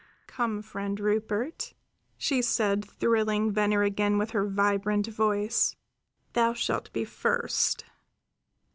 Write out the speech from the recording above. "Come, friend Rupert," she said, thrilling Venner again with her vibrant voice, "thou shalt be first.